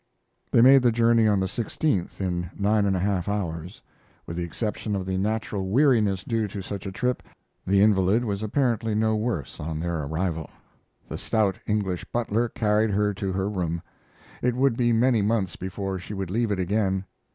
They made the journey on the 16th, in nine and a half hours. With the exception of the natural weariness due to such a trip, the invalid was apparently no worse on their arrival. The stout English butler carried her to her room. It would be many months before she would leave it again.